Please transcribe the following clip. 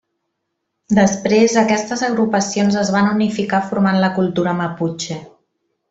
Després aquestes agrupacions es van unificar formant la cultura maputxe.